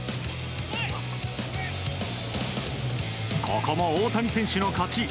ここも大谷選手の勝ち。